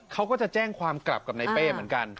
เขาก็จะแจ้งความกลับกับในเป้เหมือนกัน